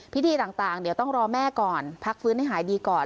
พิธีต่างเดี๋ยวต้องรอแม่ก่อนพักฟื้นให้หายดีก่อน